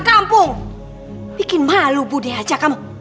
jangan dekati dia